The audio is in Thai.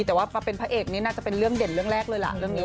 แต่ว่าเป็นพระเอกนี้น่าจะเป็นเรื่องเด่นเรื่องแรกเลยล่ะ